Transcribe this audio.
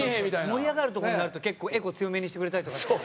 盛り上がるとこになると結構エコー強めにしてくれたりとか。